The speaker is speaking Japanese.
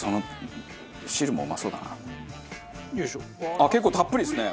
あっ結構たっぷりですね。